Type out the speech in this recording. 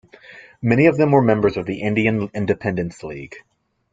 Many of them were members of the Indian Independence League.